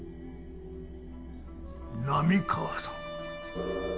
波川さん？